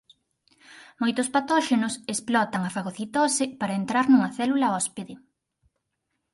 Moitos patóxenos explotan a fagocitose para entrar nunha célula hóspede.